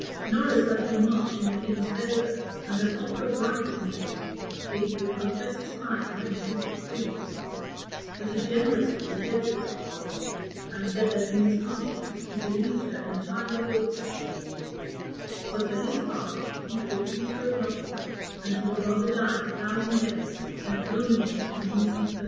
Norris had been much in the king's favor, and an offer of life was made him, if he would confess his crime and accuse the queen; but he generously rejected the proposal, and said that in his conscience he believed her entirely guiltless: but for his part, he could accuse her of nothing, and he would rather die a thousand deaths than calumniate an innocent person.